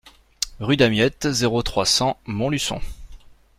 Rue Damiette, zéro trois, cent Montluçon